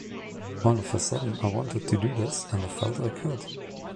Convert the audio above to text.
All of a sudden I wanted to do this, and I felt I could.